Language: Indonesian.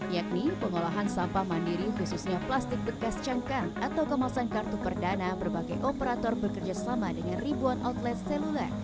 yakni pengolahan sampah mandiri khususnya plastik bekas cangkang atau kemasan kartu perdana berbagai operator bekerja sama dengan ribuan outlet seluler